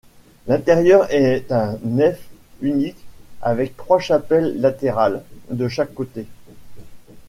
L'intérieur est à nef unique avec trois chapelles latérales de chaque côté.